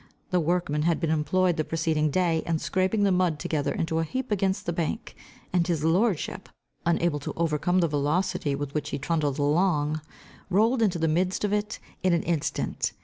The workmen had been employed the preceding day, in scraping the mud together into a heap against the bank, and his lordship, unable to overcome the velocity with which he trundled along, rolled into the midst of it in an instant.